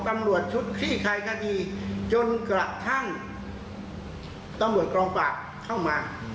ตำรวจชุดคลี่คลายคดีจนกระทั่งตำรวจกองปราบเข้ามา